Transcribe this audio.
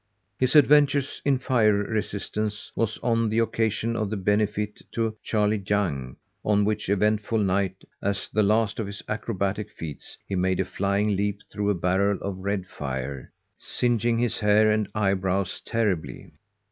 His adventure in fire resistance was on the occasion of the benefit to "Charley Young," on which eventful night, as the last of his acrobatic feats, he made a flying leap through a barrel of red fire, singeing his hair and eyebrows terribly.